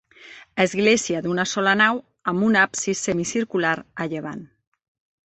Església d'una sola nau, amb un absis semicircular a llevant.